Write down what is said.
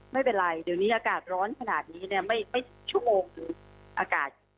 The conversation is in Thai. ไม่เป็นไรเดี๋ยวนี้อากาศร้อนขนาดนี้เนี่ยไม่ชั่วโมงถึงอากาศ